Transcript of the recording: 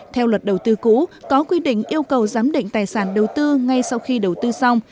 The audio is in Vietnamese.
theo luật đầu tư cũ có quy định yêu cầu giám định tài sản đầu tư ngay sau khi đầu tư xong